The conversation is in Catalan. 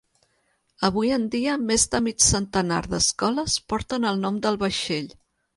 Avui en dia més de mig centenar d'escoles porten el nom del vaixell.